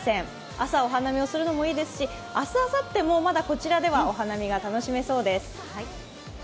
朝、お花見をするのもいいですし明日、あさってもまだこちらではお花見が楽しめそうです。